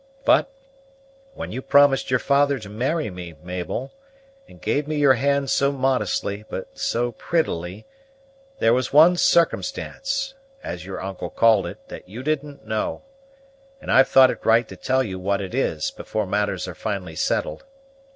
But, when you promised your father to marry me, Mabel, and gave me your hand so modestly, but so prettily, there was one circumstance, as your uncle called it, that you didn't know; and I've thought it right to tell you what it is, before matters are finally settled.